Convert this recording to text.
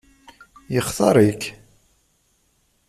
Yextaṛ-ik?